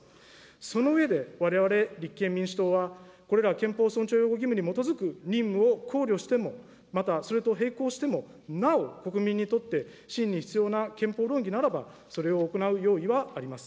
その上で、われわれ立憲民主党は、これら憲法尊重擁護義務に基づく任務を考慮しても、また、それと並行しても、なお国民にとって、真に必要な憲法論議ならば、それを行う用意はあります。